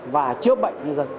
và chữa bệnh nhân dân